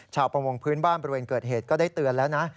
ประมงพื้นบ้านบริเวณเกิดเหตุก็ได้เตือนแล้วนะ